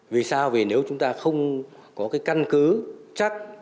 vì sao vì nếu chúng ta không có cái căn cứ chắc